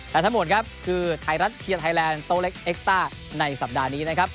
แต่ทั้งหมดครับคือไทยรัฐเชียร์ไทยแลนด์โต๊เล็กเอ็กซ่าในสัปดาห์นี้นะครับ